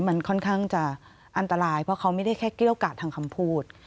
มันค่อนข้างจะอันตรายเพราะเขาไม่ได้แค่เกี้ยวกาดทางคำพูด